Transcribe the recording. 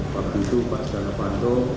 waktu itu pak setia novanto